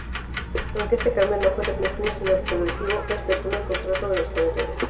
Aunque este cambio no fue repentino sino progresivo, respetando el contrato de los corredores.